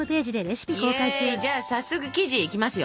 イエーイじゃあ早速生地いきますよ。